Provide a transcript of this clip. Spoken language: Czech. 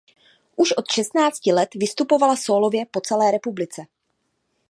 Už od šestnácti let vystupovala sólově po celé republice.